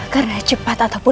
karena cepat ataupun lambat